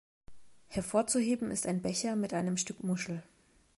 Hervorzuheben ist ein Becher mit einem Stück Muschel.